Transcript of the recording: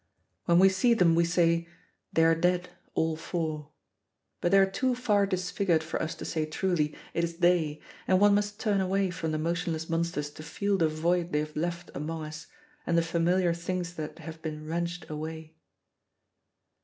When we see them we say, "They are dead, all four"; but they are too far disfigured for us to say truly, "It is they," and one must turn away from the motionless monsters to feel the void they have left among us and the familiar things that have been wrenched away.